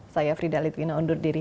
saya frida litwina undur diri